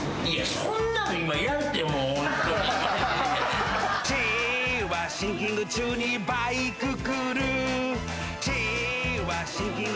「シはシンキング中にバイク来る」